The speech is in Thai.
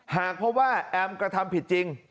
หากพบว่าแอมกระทำผิดจริง